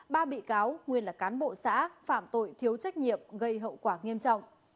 ba bị cáo nguyên là cán bộ xã phạm tội thiếu trách nhiệm gây hậu quả nghiêm trọng